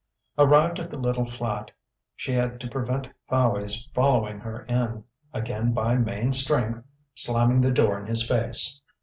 Arrived at the little flat, she had to prevent Fowey's following her in, again by main strength, slamming the door in his face.